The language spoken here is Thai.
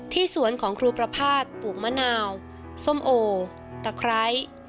สวนของครูประพาทปลูกมะนาวส้มโอตะไคร้